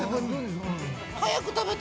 早く食べて。